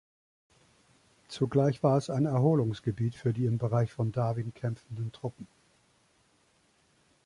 Zugleich war es ein Erholungsgebiet für die im Bereich von Darwin kämpfenden Truppen.